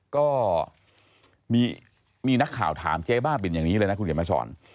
ก็มีนักข่าวถามเจ๊บ้าบินอย่างนี้เลยนะคุณเขียนมาสอน